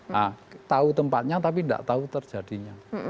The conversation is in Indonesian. nah tahu tempatnya tapi tidak tahu terjadinya